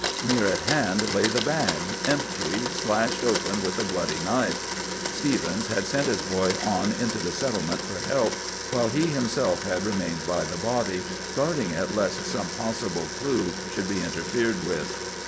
Near at hand lay the bag, empty, slashed open with a bloody knife. Stephens had sent his boy on into the Settlement for help, while he himself had remained by the body, guarding it lest some possible clue should be interfered with.